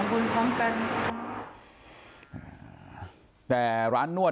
หนี้ส่งลูกเรียนลูกเรียน๒คนพร้อมกัน